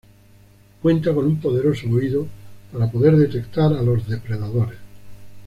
Cuenta con un poderoso oído para poder detectar a los depredadores.